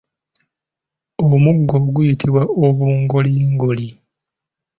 Omugo guyitibwa obungolingoli.